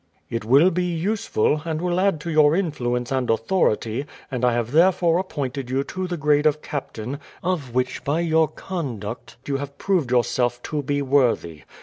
"It will be useful, and will add to your influence and authority, and I have therefore appointed you to the grade of captain, of which by your conduct you have proved yourself to be worthy.